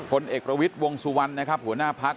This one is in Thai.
เอกประวิทย์วงสุวรรณนะครับหัวหน้าพัก